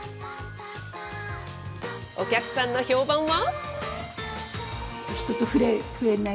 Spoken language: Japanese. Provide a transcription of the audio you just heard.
お客さんの評判は？